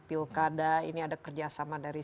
pilkada ini ada kerjasama dari